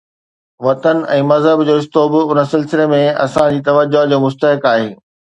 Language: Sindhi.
وطن ۽ مذهب جو رشتو به ان سلسلي ۾ اسان جي توجه جو مستحق آهي.